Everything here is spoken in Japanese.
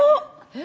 え？